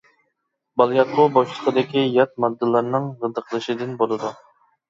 بالىياتقۇ بوشلۇقىدىكى يات ماددىلارنىڭ غىدىقلىشىدىن بولىدۇ.